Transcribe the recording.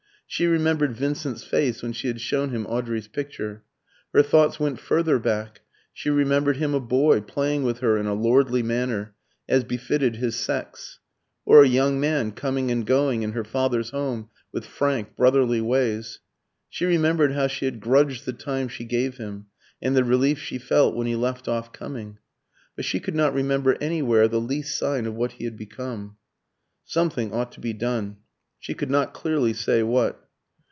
She remembered Vincent's face when she had shown him Audrey's picture. Her thoughts went further back. She remembered him a boy, playing with her in a lordly manner, as befitted his sex; or a young man, coming and going in her father's home with frank, brotherly ways. She remembered how she had grudged the time she gave him, and the relief she felt when he left off coming. But she could not remember anywhere the least sign of what he had become. Something ought to be done she could not clearly say what.